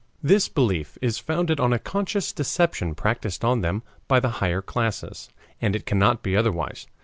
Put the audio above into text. This belief is founded on a conscious deception practiced on them by the higher classes. And it cannot be otherwise.